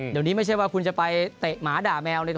เดี๋ยวนี้ไม่ใช่ว่าคุณจะไปเตะหมาด่าแมวเลย